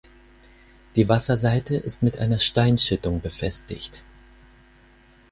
Die Wasserseite ist mit einer Steinschüttung befestigt.